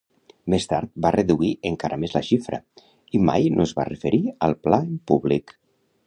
Més tard, va reduir encara més la xifra i mai no es va referir al pla en públic.